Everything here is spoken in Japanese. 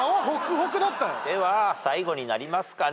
では最後になりますかね